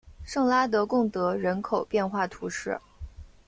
圣拉德贡德人口变化图示